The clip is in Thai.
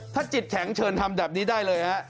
ถ้าจิตแข็งเชิญทำแบบนี้ได้เลยฮะ